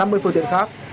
năm mươi phương tiện khác